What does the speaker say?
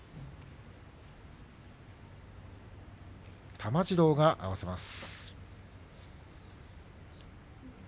玉治郎が合わせます。